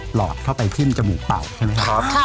หลอดเข้าไปทิ้มจมูกเป่าใช่ไหมครับ